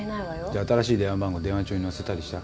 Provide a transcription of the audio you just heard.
じゃ新しい電話番号電話帳に載せたりした？